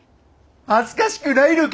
恥ずかしくないのか！